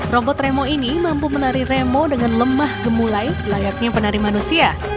robot remo ini mampu menari remo dengan lemah gemulai layaknya penari manusia